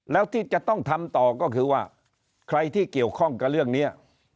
แล้วที่จะต้องทำต่อก็คือว่าใครที่เกี่ยวข้องกับเรื่องนี้